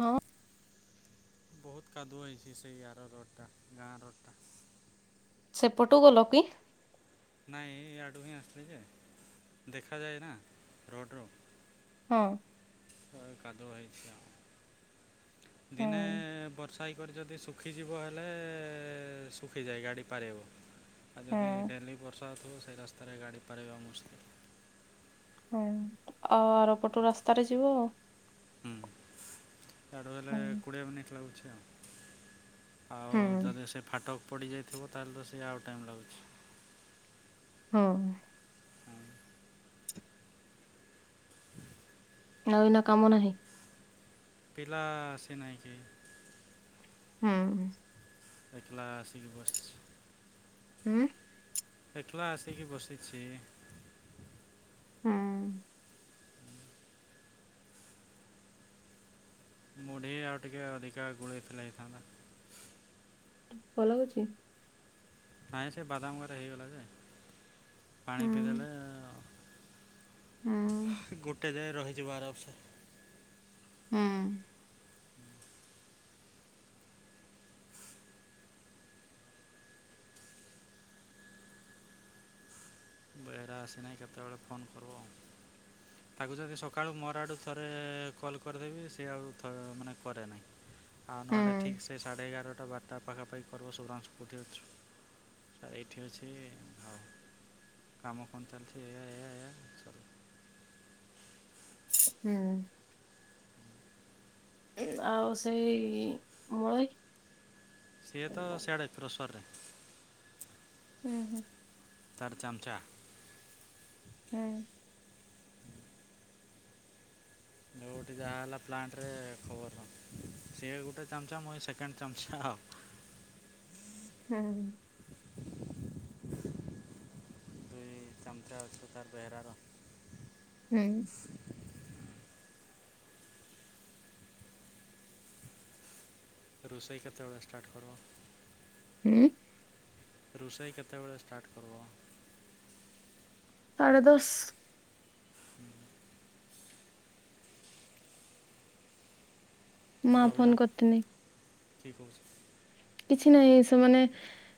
ହଁ। ବହୁତ କାଦୁଅ ହେଇଚି ସେଇଆର ରୋଡ଼ ଟା ଗାଁ ରଡ଼ ଟା। ସେପଟୁ ଗଲ କି? ନାଇଁ ଆଡ଼ୁ ହିଁ ଆସଥିଲି ଯେ ଦେଖାଯାଏ ନା ରୋଡ଼୍ ରୁ। ହଁ। କାଦୁଅ ହେଇଚି ଆଉ। ଦିନେ ହୁଁ ବର୍ଷା ସାଇକ ଯଦି ଶୁଖିଯିବ ହେଲେ ଶୁଖିଯାଏ ଗାଡ଼ି ପାରେଇବ। ଆଉ ଯଦି ହୁଁ ଡେଲି ବର୍ଷାହଉଥିବ ସେଇ ରାସ୍ତାରେ ଗାଡ଼ି ପାରେଇବା ମୁସ୍କିଲ। ହୁଁ ଆଉ ଆର ପଟୁ ରାସ୍ତାରେ ଯିବ ଆଉ। ହୁଁ ତାଠୁ ହେଲେ ହୁଁ କୋଡ଼ିଏ ମିନିଟ୍ ଲାଗୁଚି ଆଉ। ଆଉ ହୁଁ ଯଦି ସେ ଫାଟକ ପଡ଼ିଯାଇଥିବ ତାହେଲେ ତ ସେ ଆଉ ଟାଇମ୍ ଲାଗୁଚି। ହଁ। ହଁ। ଆଉ ଏନା କାମ ନାହିଁ। ପିଲା ଆସି ନାହିଁ କି? ହୁଁ। ଏକଲା ଆସିକି ବସିଚି। ହୁଁ। ଏକଲା ଆସିକି ବସିଛି। ହୁଁ। ମୁଢି ଆଉ ଟିକେ ଅଧିକା ଗୁଳେଇଥିଲା ହେଇଥାନ୍ତା। ଭଲ [unintelligible] ନାଇଁ ସେ ବାଦାମ ଗରେ ହେଇଗଲା ଯେ ପାଣି ହୁଁ ହୁଁ ପିଇଦେଲେ ଗୋଟେ ଯାଏ ରହିଯିବ ଅରାମସେ। ହୁଁ। ବେହେରା ଆସିନାହିଁ କେତେବେଳେ ଫୋନ୍ କରବଉ। ତାଗୁ ଯଦି ସକାଳୁ ମୋର ଆଡ଼ୁ ଥରେ କଲ୍ କରିଦେବି ସିଏ ଆଉ ଥ ମାନେ କରେ ନାହିଁ। ଆଉ ନହେଲେ ହୁଁ ଠିକ ସେ ସାଢେ ଏଗାରଟା ବାରଟା ପାଖାପାଖି ପର୍ବ [unintelligible] କୋଉଠି ଅଛୁ? ସାର ଏଇଠି ଅଛି। ଆଉ କାମ କନ ଚାଲଚି ଏଆ ଏଆ ଏଆ ଚାଲ। ହୁଁ। ଆଉ ସେଇ ମଳେଇ ସିଏ ତ ସିଆଡେ କ୍ରସରରେ। ହୁଁ ହୁଁ। ତାର ଚାମ୍ଚା। ହୁଁ। ଯୋଉଠି ଯାହା ହେଲା ପ୍ଲାଣ୍ଟରେ ଖବର ଦବ ସିଏ ଗୋଟେ ଚାମ୍ଚା ମୁଇ ସେକେଣ୍ଡ୍ ଚାମ୍ଚା ଆଉ। ହୁଁ। ଦୁଇ ଚାମ୍ଚା ଅଛୁ ତାର ବେହେରାର। ହୁଁ। ରୋଷେଇ କେତେବେଳେ ଷ୍ଟାର୍ଟ୍ କର? ହୁଁ। ରୋଷେଇ କେତେବେଳେ ଷ୍ଟାର୍ଟ କର୍ ବ? ସାଢ଼େ ଦଶ୍। ହୁଁ। ମା ଫୋନ ରବିନା କରିଥିଲି କି କୋଉ କିଛି ନାଇଁ ସେମାନେ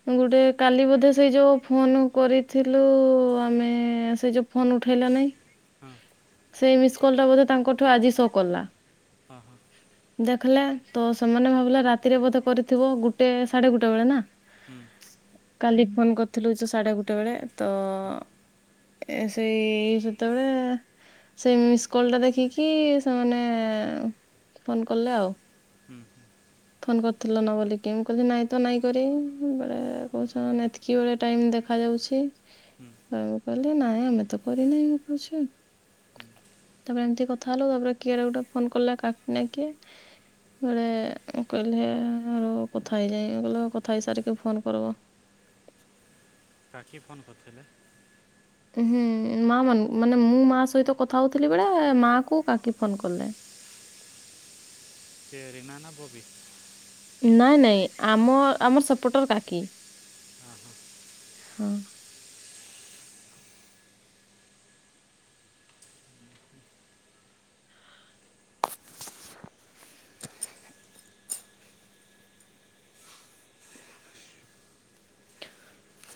ଗୋଟେ କାଲି ବୋଧେ ସେଇ ଯୋଉ ଫୋନ କରିଥିଲୁ ଆମେ ସେ ଯୋଉ। ଫୋନ୍ ଉଠେଲା ନାଇ ହଁ ସେଇ ମିସ୍ କଲ୍ ଟା ବୋଧେ ତାଙ୍କଠୁ ଆଜି ସୋ କଲା। ଅ ହଁ ଦେଖ୍ ଲେ ତ ସେମାନେ ଭାବିଲେ ରାତିରେ ବୋଧେ କରିଥିବ ଗୋଟେ ସାଢେ ଗୋଟେ ବେଳେ ନା। ହୁଁ। କାଲି ଫୋନ୍ କରିଥିଲୁ ଯୋଉ ସାଢେ ଗୋଟେ ବେଳେ ତ ହୁଁ ଏ ସେଇ ସେତେବେଳେ ସେ ମିସ୍ କଲ୍ ଟା ଦେଖିକି ସେମାନେ ଫୋନ୍ କଲେ ଆଉ। ହୁଁ। ଫୋନ୍ କରିଥିଲ ନା ବୋଲି କେ ମୁଁ କାଲି ନାଇଁ ତ ନାଇଁ କରି‌ ବେଳେ କହୁଛ ଏତ୍କି ବେଳେ ଟାଇମ୍ ଦେଖା ଯାଉଛି। ହୁଁ କ ମୁଁ କହିଲି ନାଇଁ ଆମେ ତ କରିନାହିଁ ମୁଁ କଇଛି ହୁଁ ତାପରେ ଏମ୍ତି କଥା ହେଲୁ ତାପରେ କିଏଡେ ଗୋଟେ ଫୋନ୍ କଲା କାକି ନା କିିଏ। ବେଳେ କହିଲେ ଆ ରହ କଥା ହେଇଯାଏ କହିଲେ କଥା ହେଇ ସାରିକି ଫୋନ୍ କରିବ। ରାକ୍ଷୀ ଫୋନ୍ କରିଥିଲେ। ହୁଁ ମା ମ ମାନେ ମୁଁ ମା ସହିତ କଥା ହଉଥିଲି ବେଳେ ମାଆ କୁ କାକି ଫୋନ୍ କଲେ। କେ ରିନା ନା ବବି? ନାଇଁ ନାଇଁ ଆମ ଆମର ସେପଟର କାକି। ଅହଁ। ହଁ।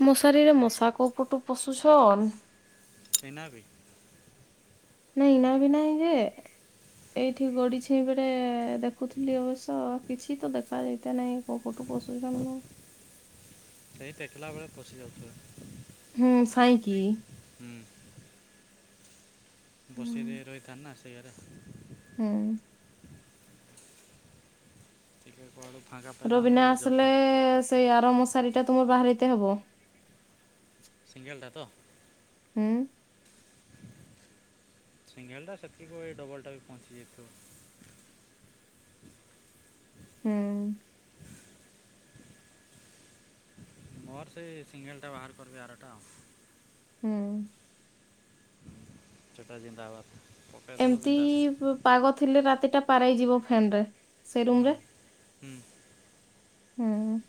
ମଶାରୀରେ ମଶା କୋଉ ପଟୁ ପୋଶୁଛନ୍? ଏନାବି। ନାଇଁ ଏନାବି ନାଇଁ ଯେ ଏଇଠି ଗଡିଛି ବେଳେ ଦେଖୁଥିଲି ଅବଶ୍ୟ କିଛି ତ ଦେଖା ଯାଇତେ ନାଇଁ। କୋଉପଟୁ ପଡୁଚି ଯାନ ସେଇ ଟେକିଲା ବେଳେ ପଶିଯାଉଥିବ। ହୁଁ ସାଇଁକି ହୁଁ। ହୁଁ ବସେଇଦେଇ ରହିଥାନ୍ ନା ସେଇଗାରେ। ହୁଁ। ଟିକ କୁଆଡୁ ଫାଙ୍କା ପାଇଲା ମାନେ ରୁବିନା ଗଳି ଆସିଲେ ଯାଉଛନ୍ ସେଇ ଆର ମଶାରୀ ଟା ତୁମ ବାହାରିତେ ହବ। ସିଙ୍ଗେଲ୍ ଟା ତ? ହୁଁ। ସିଙ୍ଗେଲ୍ ଟା ସେତିକି ୱେ ଡବଲ୍ ଟା ବି ପହଞ୍ଚିଯାଇଥିବ। ହୁଁ। ମୋର୍ ସେ ସିଙ୍ଗେଲ୍ ଟା ବାହାର୍ କରିବି ଆରଟା ଆଉ। ହୁଁ। ସେଟା ଜିନ୍ଦବାଦ୍। ଏମତି ପ ପାଗ ଥିଲେ ରାତିଟା ପାର ଏଇ ଯିବ ଫ୍ୟାନ୍ ରେ। ସେ ରୁମ୍ ହୁଁ ରେ ହୁଁ ହୁଁ।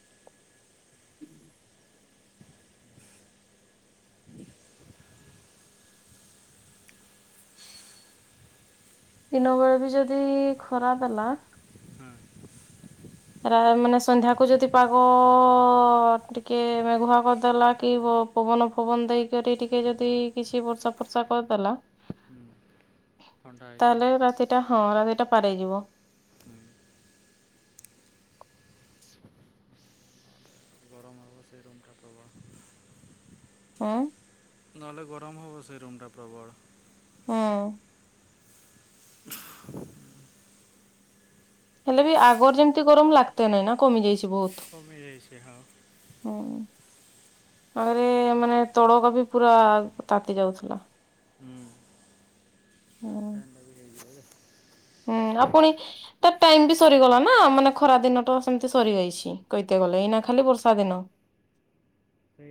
ଦିନ ବେଳେ ବି ଯଦି ଖରା ଦେଲା ହଁ। ଏରା ମାନେ ସନ୍ଧ୍ୟାକୁ ଯଦି ପାଗ ଅ-ଅ-ଅ-ଅ ଟିକେ ମେଘୁଆ କରିଦେଲା କି ବ ପବନ ଫବନ ଦେଇକରି ଟିକେ ଯଦି କିଛି ବର୍ଷା ଫର୍ଷା କର୍ ଦେଲା [unintelligible] ଥଣ୍ଡା ହେଇଯିବ ତାହେଲେ ରାତିଟା ହଁ ରାତିଟା ପାରେଇ ଯିବ। ହୁଁ ଗରମ୍ ହବ ସେ ରୁମ୍ ଟା ପ୍ରବ ଉଁ ନଏଲେ ଗରମ୍ ହବ ସେ ରୁମ୍ ଟା ପ୍ରବଳ। ଉଁ। ହେଲେ ବି ଆଗର୍ ଯେମ୍ତି ଗରମ ଲାଗ୍ ତେ ନାଇ ନା କମି ଯାଇଚି ବହୁତ୍। କମି ଯାଇଛି ହଁ। ହୁଁ। ଆରେ ମାନେ ତଡକା ବି ପୁରା ତାତି ଯାଉଥିଲା। ହୁଁ। ଫ୍ୟାନ୍ ଟା ବି ହେଇଯିବ ଯେ। ହେଁ ର ପୁଣି ‌। ତା ଟାଇମ୍ ବି ସରିଗଲା ନା ମାନେ ଖରା ଦିନଟ ସେମ୍ତି ସରିଯାଇଛି କହିତେ ଗଲେ ଏଇନା ଖାଲି ବର୍ଷା ଦିନ।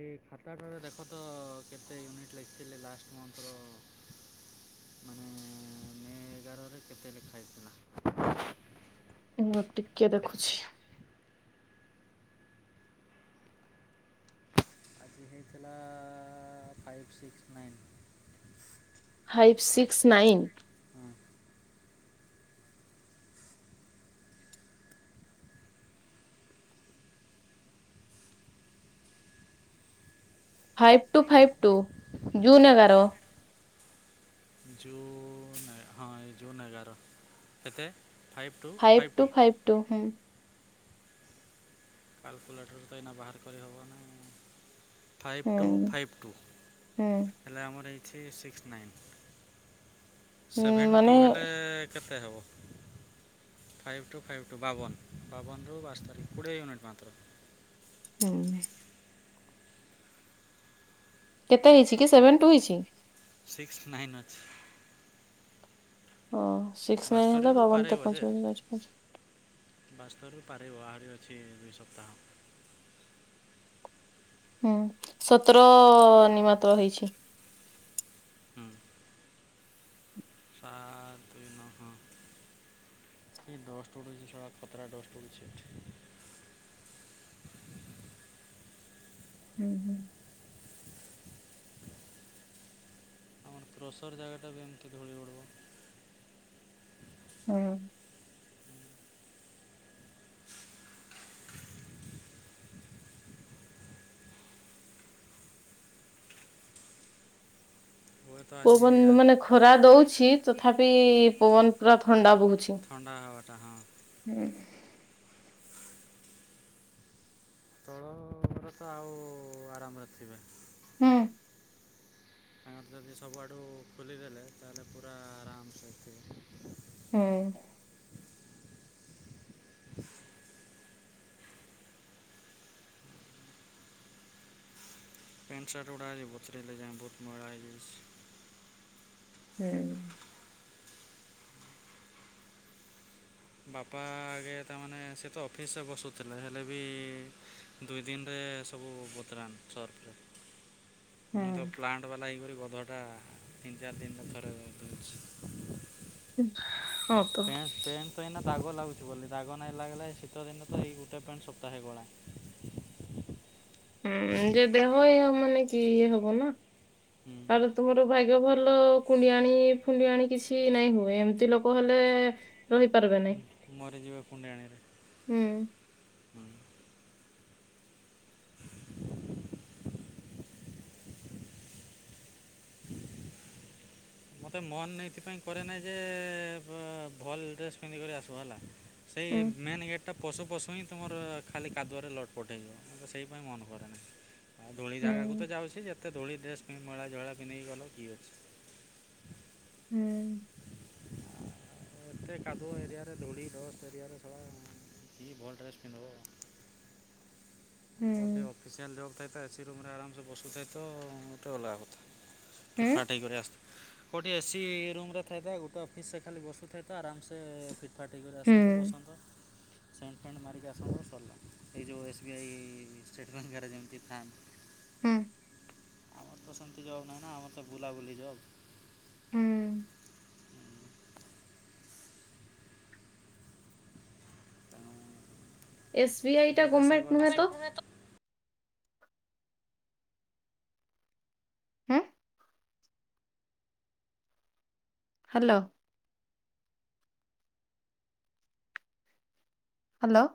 ଏ ଖାତାଟାରେ ଦେଖ ତ କେତେ ୟୁନିଟ୍ ଲେଖିଥିଲି ଲାଷ୍ଟ୍ ମନ୍ଥର? ମାନେ ମେ ଏଗାରରେ କେତେ ଲେଖା ହୋଇଥିଲା? ମୁଁ ଟିକେ ଦେଖୁଛି। ଆଜି ହେଇଥିଲା ଆ-ଆ-ଆ five six nine. Five six nine. ହଁ five two five two June ଏଗାର। ଜୁନେ ହଁ ଏଇ ଜୁନ୍ ଏଗାର କେତେ? ଫାଇଭ୍ ଟୁ ଫାଇଭ୍ ଟୁ ହୁଁ। କାଲ୍କୁଲେଟର୍ ତ ଏଇନା ବାହାର କରି ହବ ନାଇ। ଫାଇଭ୍ ଟୁ ହୁଁ ଫାଇଭ୍ ଟୁ ହୁଁ। ହେଲା ଆମର ହେଇଛି ସିକ୍ସ ନାଇନ୍। ହୁଁ ସେଭେନ୍ ଟୁ ମାନେ ହେଲେ କେତେ ହେବ? ଫାଇଭ ଟୁ ଫାଇଭ୍ ଟୁ ବାବନ୍ ବାବନ୍ ରୁ ବାସ୍ତରୀ କୋଡ଼ିଏ ୟୁନିଟ୍ ମାତ୍ର। ହୁଁ। କେତେ ହେଇଚି କି ସେଭେନ୍ ଟୁ ହେଇଚି? ସିକ୍ସ ନାଇନ୍ ଅଛି। ଓ ସିକ୍ସ ନାଇନ୍ ହେଲେ ବାସ୍ତରୀରୁ ବାବନ୍ ତେପ [unintelligible] ବାସ୍ତରୁ ପାରିବ ଆହୁରି ଅଛି ଦୁଇ ସପ୍ତାହ। ହୁଁ ସତର ନି ମାତ୍ର ହେଇଛି। ହୁଁ। ସାତ ନ ହଁ। ଏ ଡଷ୍ଟ ଉଡୁଛି ଶଳା ଖତରା ଡଷ୍ଟ ଉଡୁଛି। ହୁଁ, ହୁଁ। କଣ କ୍ରସର ଜାଗାଟା ବି ଏମିତି ଧୂଳି ଉଡ଼ିବ। ହୁଁ। ହୁଏତ ଆଜି ପବନ ଆ- ମାନେ ଖରା ଦଉଛି ତଥାପି ପବନ ପୁରା ଥଣ୍ଡା ବୋହୁଛି। ଥଣ୍ଡା ହାୱାଟା ହଁ। ହୁଁ। ଷୋଳବରଷ ଆଉ ଆରାମରେ ଥିବେ। ହୁଁ। ଫ୍ୟାନ ଯଦି ସବୁଆଡ଼ୁ ଖୋଲିଦେଲେ ତାହେଲେ ପୁରା ଆରାମସେ ହୁଁ। ପେଁଣ୍ଟ ସାର୍ଟ ଗୁଡ଼ା ଆଜି ବତୁରେଇଲେ ଯାଏ ବହୁତ ମଳା ହେଇଯାଇଛି। ହୁଁ। ବାପା ଆଗେ ତାମାନେ ସେ ତ ଅଫିସରେ ବସୁଥିଲେ ହେଲେ ବି ଦୁଇ ଦିନରେ ସବୁ ବତରାନ୍ ସର୍ଫରେ। ମୁଁ ତ ହୁଁ ପ୍ଲାଣ୍ଟ ବାଲା ଏହିପରି ଗଧଟା ତିନି ଚାରି ଦିନରେ ଥରେ ଧୋଉଛି। ହଁ ତ। ପେଣ୍ଟତ ଏଇନା ଦାଗ ଲାଗୁଛି ବୋଲି ଦାଗ ନାଇଁ ଲାଗିଲା ଶୀତ ଦିନ ତ ଏଇ ଗୋଟେ ପ୍ୟାଣ୍ଟ ସପ୍ତାହେ ଗଳା। [unintelligible] ହୁଁ, ଯେ ଦେହ ଇହ ମାନେ କି ଇଏ ହବ ନା। ଆ ତୁମର ଭାଗ୍ୟ ଭଲ କୁଣ୍ଡି ଆଣି ଫୁଣ୍ଡିଆଣି କିଛି ନାଇଁ ହୁଏ ଏମିତି ଲୋକ [unintelligible] କହିଲେ ରହି ପାରିବେ ନାଇଁ। ମରିଯିବେ କୁଣ୍ଡି ଆଣିରେ। ହୁଁ। [inaudible] ମତେ ମନ୍ ଏଇଥିପାଇଁ କରେ ନାଇଁ ଯେ ବ ଭଲ ଡ୍ରେସ୍ ପିନ୍ଧିକରି ଆସବୁ ହେଲା। [unintelligible] ସେଇ ହୁଁ ମେନ୍ ଗେଟ୍ ଟା ପଶୁ ପଶୁ ହିଁ ତମର ଖାଲି କାଦୁଆରେ ଲଟପଟ ହେଇ ଯିବ ମୁଁ ତ ସେଇପାଇଁ ମନ କରେନା ଆଉ ଧୂଳି ହୁଁ ଜାଗାକୁ ତ ଯାଉଛି ଯେତେ ଧୂଳି ଡ୍ରେସ ପିନ୍ଧି ମଇଳା ଝଇଳା ପିନ୍ଧିକି ଗଲେ କିଏ ଅଛି? ଆଉ ହୁଁ। ଆଉ ଏତେ କାଦୁଅ ଏରିଆରେ ଧୂଳି ଡଷ୍ଟ ଏରିଆରେ ଶଳା କି ଭଲ ଡ୍ରେସ ପିନ୍ଧବ? ହୁଁ ଗୋଟେ ଅଫିସିଆଲ ଜବ [unintelligible] ତ ଏସି ରୁମ ରେ ଆରାମସେ ବସୁଥାଏ ତ ଗୋଟେ ଅଲଗା କଥା ହୁଁ ଫିଟଫାଟ ହେଇ କରି ଆସଥ କୋଉଠି ଏସି ରୁମରେ ଥାଏ ଗୋଟେ ଅଫିସରେ ଖାଲି ବସୁଥାଏ ଆରାମସେ ଫିଟ ପାଟି କରି ଆସନ୍ତ ହୁଁ ବସନ୍ତ। ସେଣ୍ଟ ଫେଣ୍ଟ ମାରିକି ଆସନ୍ତ ସରଲା। ଏଇ ଯୋଉ ଏସ୍ ବି ଆଇ ଷ୍ଟେଟବ୍ୟାଙ୍କ ରେ ଯେମିତି ଥାନ୍ତ ହୁଁ। ଆମର ତ ସେମିତି ଜବ୍ ନାହିଁ ନା ଆମରତେ ବୁଲାବୁଲି ଜବ୍। ହୁଁ। [unintelligible] ଏସ ବି ଆଇ ଯେ ଟା ଦେଶେ ଗର୍ମେଣ୍ଟ ଗଲେ ନୁହେଁ ସେ ତ। ହୁଁ। ହାଲୋ। ହ୍ୟାଲୋ।